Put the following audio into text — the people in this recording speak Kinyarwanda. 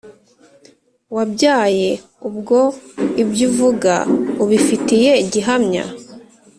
wabyaye!!!! ubwo ibyo uvuga ubifitiye gihamya ”